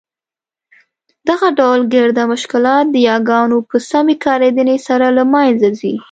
دغه ډول ګرده مشکلات د یاګانو په سمي کارېدني سره له مینځه ځي.